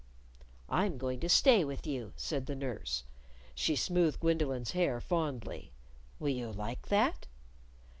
"I'm going to stay with you," said the nurse. She smoothed Gwendolyn's hair fondly. "Will you like that?"